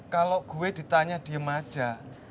kalau gue ditanya diem aja